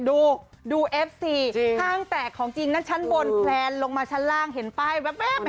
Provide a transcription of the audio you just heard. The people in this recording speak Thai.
ดูดูเอฟซีห้างแตกของจริงนั่นชั้นบนแพลนลงมาชั้นล่างเห็นป้ายแว๊บ